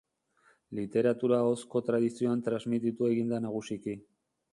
Literatura ahozko tradizioan transmititu egin da nagusiki.